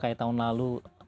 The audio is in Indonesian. transaksi yang sudah diperlukan